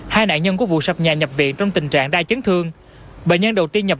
hai nạn nhân của vụ sập nhà nhập viện trong tình trạng đai chấn thương bệnh nhân đầu tiên nhập